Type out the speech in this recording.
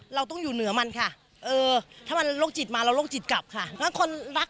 เราจะอยู่เหนือเมื่อมันถ้ามันโลกจิตมาเราก็โลกจิตกลับครับ